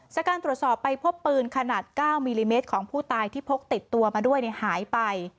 จากการตรวจสอบไปพบปืนขนาด๙มิลลิเมตรของผู้ตายที่พกติดตัวมาด้วยหายไป